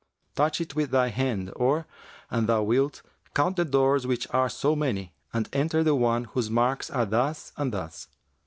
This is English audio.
[FN#359] Touch it with thy hand or, an thou wilt, count the doors which are so many, and enter the one whose marks are thus and thus.